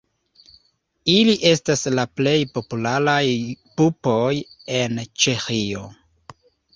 Ili estas la plej popularaj pupoj en Ĉeĥio.